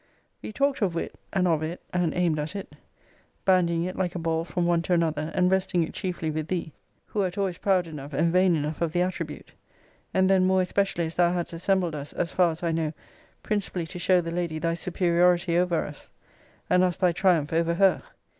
We talked of wit, and of it, and aimed at it, bandying it like a ball from one to another, and resting it chiefly with thee, who wert always proud enough and vain enough of the attribute; and then more especially as thou hadst assembled us, as far as I know, principally to show the lady thy superiority over us; and us thy triumph over her.